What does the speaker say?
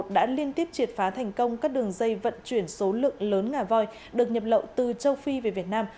đã liên tiếp triệt phá thành công các đường dây vận chuyển số lượng lớn ngà voi được nhập lậu từ châu phi về việt nam